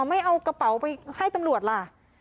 ไม่เอากระเป๋าไปให้ตำรวจล่ะ